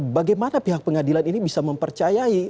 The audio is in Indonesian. bagaimana pihak pengadilan ini bisa mempercayai